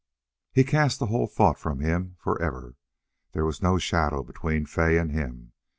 He cast the whole thought from him for ever. There was no shadow between Fay and him.